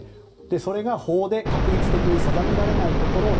それが法で画一的に定められないところを